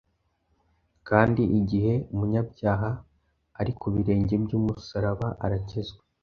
kandi igihe umunyabyaha ari ku birenge by’umusaraba arakizwa